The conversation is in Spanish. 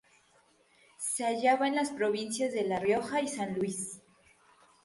Se hallaba en las provincias de La Rioja y San Luis.